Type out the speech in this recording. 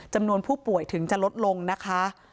จำนวนผู้ป่วยถึงจะลดลงนะคะ